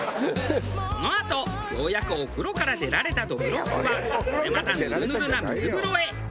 このあとようやくお風呂から出られたどぶろっくはこれまたヌルヌルな水風呂へ。